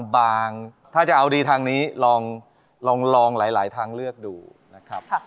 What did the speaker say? บางถ้าจะเอาดีทางนี้ลองหลายทางเลือกดูนะครับ